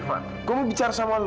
saya mau bicara dengan kamu